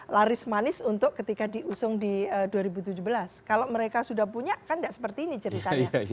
laris manis untuk ketika diusung di dua ribu tujuh belas kalau mereka sudah punya kan tidak seperti ini ceritanya